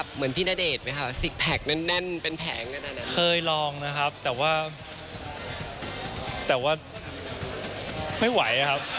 เคยลองนะครับแต่ว่าไม่ไหวนะครับ